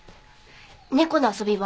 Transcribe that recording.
猫の遊び場